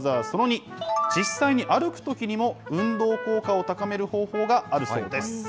その２、実際に歩くときにも運動効果を高める方法があるそうです。